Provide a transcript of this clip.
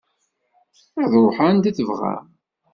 Ad ruḥeɣ anda tebɣam.